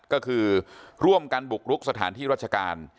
ก็คือร่วมกันบุกรุกสถานที่ราชการ